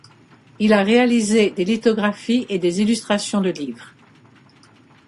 Il a réalisé des lithographies et des illustrations de livres.